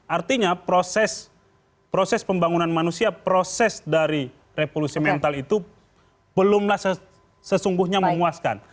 artinya proses pembangunan manusia proses dari revolusi mental itu belumlah sesungguhnya memuaskan